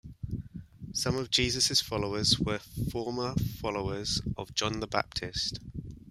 Some of Jesus' followers were former followers of John the Baptist.